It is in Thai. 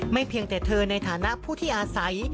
เพียงแต่เธอในฐานะผู้ที่อาศัย